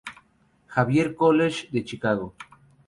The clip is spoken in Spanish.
Xavier College de Chicago.